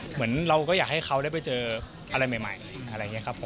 เหมือนเราก็อยากให้เขาได้ไปเจออะไรใหม่อะไรอย่างนี้ครับผม